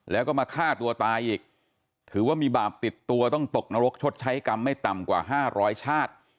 แล้วก็มาฆ่าตัวตายอีกถือว่ามีบาปติดตัวต้องตกนรกชดใช้กรรมไม่ต่ำกว่า๕๐๐ชาติ